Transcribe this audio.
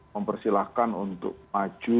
mempersilahkan untuk maju